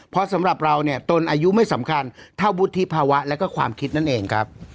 เพราะสำหรับเราเนี่ยตนอายุไม่สำคัญเท่าวุฒิภาวะแล้วก็ความคิดนั่นเองครับ